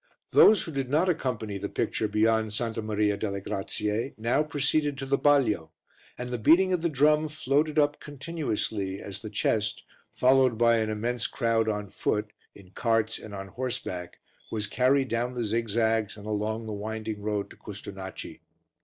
Those who did not accompany the picture beyond Santa Maria delle Grazie now proceeded to the balio, and the beating of the drum floated up continuously as the chest, followed by an immense crowd on foot, in carts, and on horseback, was carried down the zigzags and along the winding road to Custonaci.